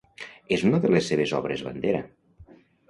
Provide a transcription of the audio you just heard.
És una de les seves obres bandera.